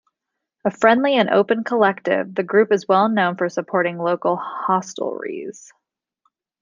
A friendly and open collective, the group is well known for supporting local hostelries.